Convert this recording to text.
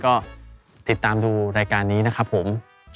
ก็ติดตามดูรายการนี้นะครับผม